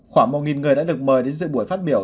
khoảng một người đã được mời đến dự buổi phát biểu